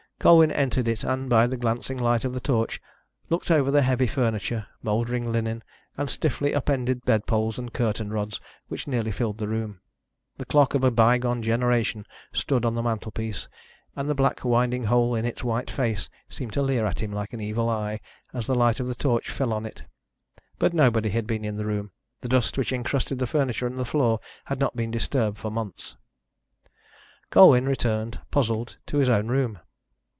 Colwyn entered it, and by the glancing light of the torch looked over the heavy furniture, mouldering linen, and stiffly upended bedpoles and curtain rods which nearly filled the room. The clock of a bygone generation stood on the mantel piece, and the black winding hole in its white face seemed to leer at him like an evil eye as the light of the torch fell on it. But nobody had been in the room. The dust which encrusted the furniture and the floor had not been disturbed for months. Colwyn returned, puzzled, to his own room.